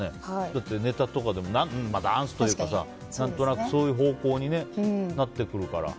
だってネタとかでもダンスというか、何となくそういう方向になってくるから。